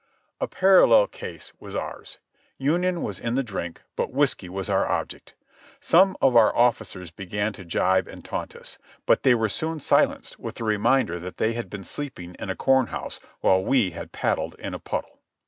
A parallel case was ours — Union was in the drink, but whiskey was our object. Some of our officers began to jibe and taunt us, but they were soon silenced with the reminder that they had been sleeping in a corn house while we had paddled in a puddle.